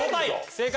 正解！